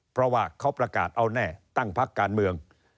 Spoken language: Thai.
เพราะว่าเขาประกาศเอาแน่ตั้งพักการเมือง